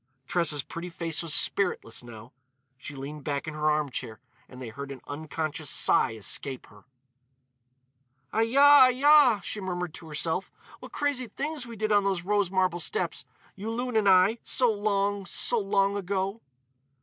Tressa's pretty face was spiritless, now; she leaned back in her armchair and they heard an unconscious sigh escape her. "Ai ya! Ai ya!" she murmured to herself, "what crazy things we did on the rose marble steps, Yulun and I, so long—so long ago."